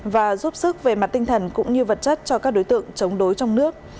và giúp sức về mặt tinh thần cũng như vật chất cho các đối tượng chống đối trong nước